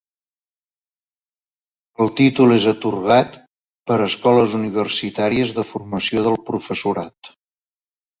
El títol és atorgat per escoles universitàries de formació del professorat.